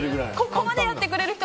ここまでやってくれる人